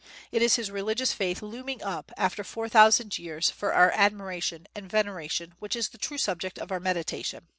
It is his religious faith looming up, after four thousand years, for our admiration and veneration which is the true subject of our meditation.